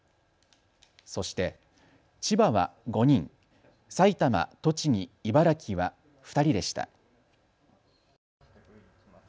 そして、千葉は５人、埼玉、栃木、茨城は２人でした。